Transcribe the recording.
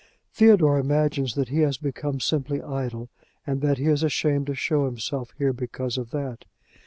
Theodore imagines that he has become simply idle, and that he is ashamed to show himself here because of that.